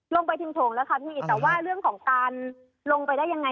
ลงไปถึงโถงแล้วค่ะพี่แต่ว่าเรื่องของการลงไปได้ยังไง